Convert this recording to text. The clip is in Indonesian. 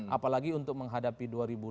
apalagi untuk menghadapi dua ribu dua puluh